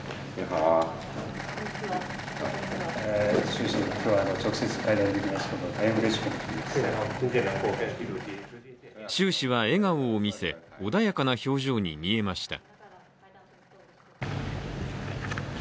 習氏は笑顔を見せ、穏やかな表情に見えました。